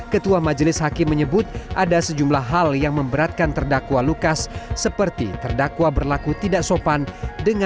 ketua majelis hakim menyebut ada sejumlah hal yang memberatkan terdakwa lukas seperti terdakwa berlaku tidak sopan